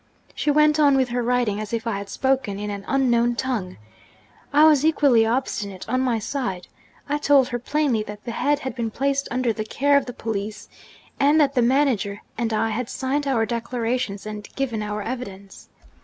She went on with her writing as if I had spoken in an unknown tongue! I was equally obstinate, on my side. I told her plainly that the head had been placed under the care of the police, and that the manager and I had signed our declarations and given our evidence.